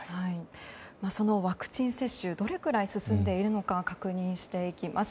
そのワクチン接種どのくらい進んでいるのか確認していきます。